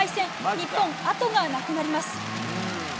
日本、あとがなくなります。